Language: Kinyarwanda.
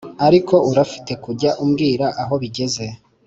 ariko urafite kujya umbwira aho bigeze